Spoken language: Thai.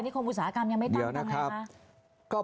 อันนี้ความอุตสาหกรรมยังไม่ตั้งทำไงคะเดี๋ยวนะครับ